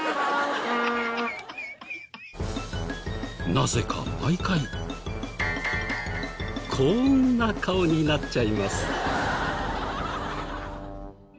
なぜか毎回こんな顔になっちゃいます。